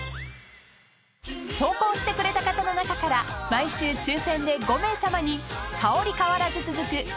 ［投稿してくれた方の中から毎週抽選で５名さまに香り変わらず続く